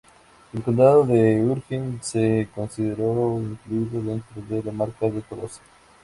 El condado de Urgel se consideró incluido dentro de la Marca de Tolosa.